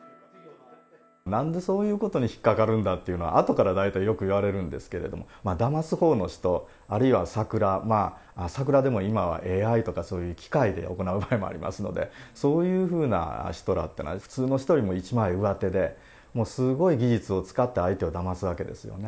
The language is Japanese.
なんでそういうことに引っ掛かるんだというのは、後から大体よく言われるんですけれども、だますほうの人、あるいはサクラ、サクラでも今はＡＩとかそういう機械で行う場合もありますので、そういうふうな人らっていうのは、普通の人よりも一枚上手で、もうすごい技術を使って相手をだますわけですよね。